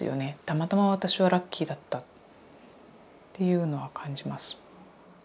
たまたま私はラッキーだったっていうのは感じます。